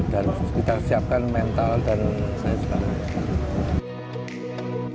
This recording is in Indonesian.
dan kita siapkan mental dan lain lain